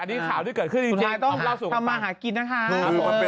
อันนี้ข่าวที่เกิดขึ้นจริงต้องทำมาหากินนะคะ